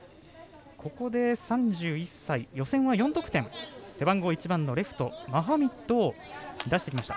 ここで３１歳予選は４得点、背番号１番のレフト、マハミッドを出してきた。